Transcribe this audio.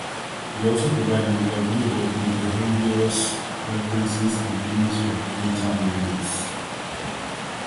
They also provide an overview of the behaviors, preferences and views of data miners.